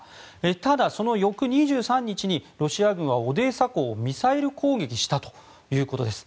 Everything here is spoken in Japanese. ただ、その翌２３日にロシア軍はオデーサ港をミサイル攻撃したということです。